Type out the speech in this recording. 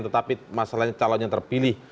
tetapi masalahnya calon yang terpilih